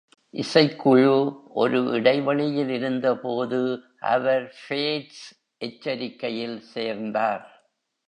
இசைக்குழு ஒரு இடைவெளியில் இருந்தபோது, அவர் ஃபேட்ஸ் எச்சரிக்கையில் சேர்ந்தார்.